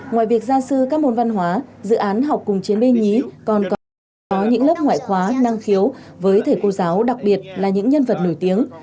ngoài việc gia sư các môn văn hóa dự án học cùng chiến bí còn còn có những lớp ngoại khóa năng khiếu với thầy cô giáo đặc biệt là những nhân vật nổi tiếng